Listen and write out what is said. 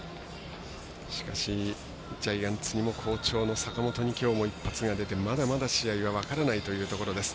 しかし、ジャイアンツにも好調の坂本にきょうも一発が出てまだまだ試合は分からないというところです。